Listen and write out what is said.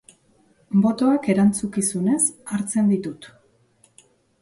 Botoak erantzukizunez hartzen ditut.